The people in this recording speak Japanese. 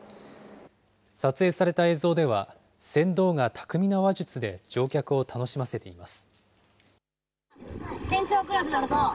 撮影された映像では、船頭が巧みな話術で乗客を楽しませています。